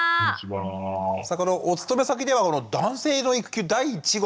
お勤め先では男性の育休第１号。